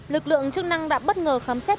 lực lượng chức năng đã bất ngờ khám xét